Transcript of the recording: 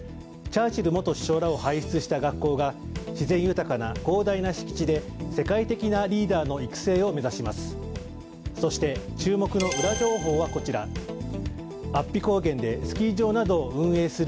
チャーチル元首相らを輩出した学校が自然豊かな広大な敷地で世界的なリーダーの育成を目指します。